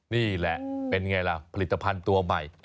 นี่แหละเป็นไงล่ะผลิตภัณฑ์ตัวใหม่